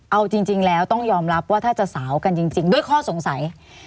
เอาจริงแล้วต้องยอมรับว่าถ้าจะสาวกันจริงด้วยข้อสงสัย